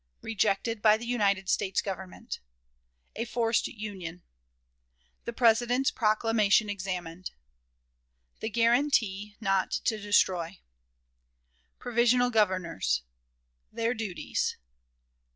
Rejected by the United States Government. A Forced Union. The President's Proclamation examined. The Guarantee, not to destroy. Provisional Governors. Their Duties.